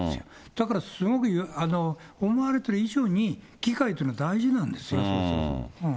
だからすごく、思われてる以上に、議会というのは大事なんですよ。